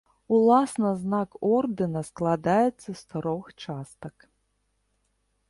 Уласна знак ордэна складаецца з трох частак.